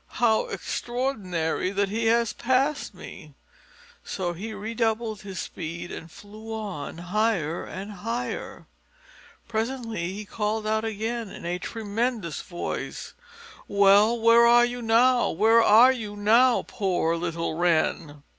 "How extraordinary that he has passed me." So he redoubled his speed and flew on, higher, higher. Presently he called out again in a tremendous voice, "Well, where are you now? Where are you now, poor little Wren?"